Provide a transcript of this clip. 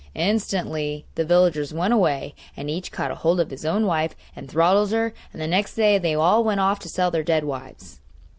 Instantly the villagers went away and each caught hold of his own wife and throttled her, and the next day they all went off to sell their dead wives.